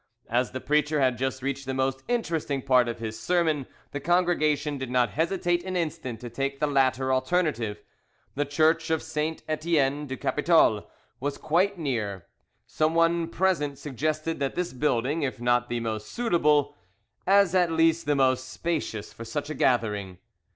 As the preacher had just reached the most interesting part of his sermon, the congregation did not hesitate an instant to take the latter alternative. The Church of St. Etienne du Capitole was quite near: someone present suggested that this building, if not the most suitable, as at least the most spacious for such a gathering.